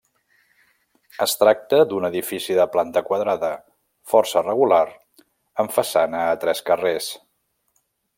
Es tracta d'un edifici de planta quadrada, força regular, amb façana a tres carrers.